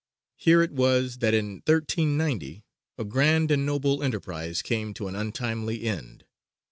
Here it was that in 1390 a "grand and noble enterprize" came to an untimely end.